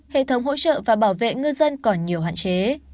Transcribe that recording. hệ thống hỗ trợ và bảo vệ ngư dân còn nhiều hạn chế